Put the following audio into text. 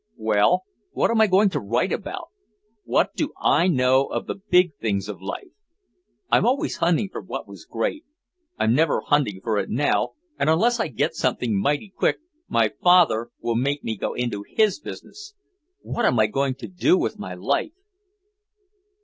Well, what am I going to write about? What do I know of the big things of life? I was always hunting for what was great. I'm never hunting for it now, and unless I get something mighty quick my father will make me go into his business. What am I going to do with my life?"